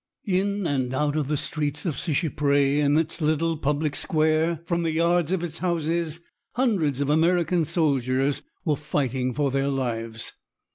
In and out of the streets of Seicheprey, in its little public square, from the yards of its houses, hundreds of American soldiers were fighting for their lives.